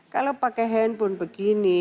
kalau pakai handphone begini